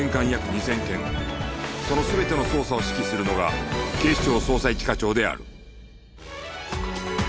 その全ての捜査を指揮するのが警視庁捜査一課長である